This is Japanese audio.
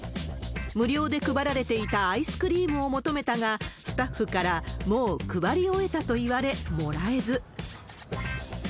無料で配られていたアイスクリームを求めたが、スタッフから、もう配り終えたと言われ、もらえず。